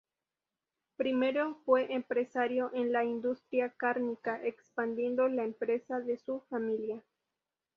Primero fue empresario en la industria cárnica, expandiendo la empresa de su familia.